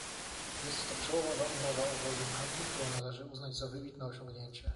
Jest to przełomowa umowa o wolnym handlu, którą należy uznać za wybitne osiągnięcie